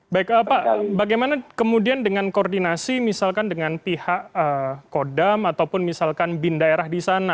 baik pak bagaimana kemudian dengan koordinasi misalkan dengan pihak kodam ataupun misalkan bin daerah di sana